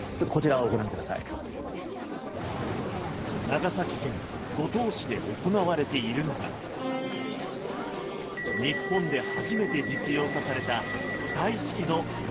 長崎県五島市で行われているのが日本で初めて実用化された浮体式の洋上風力発電。